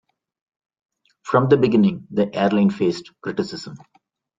From the beginning, the airline faced criticism.